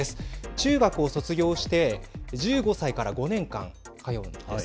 中学を卒業して１５歳から５年間、通うんです。